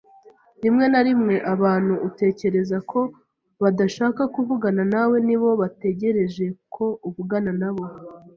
Rimwe na rimwe, abantu utekereza ko badashaka kuvugana nawe ni bo bategereje ko uvugana nabo.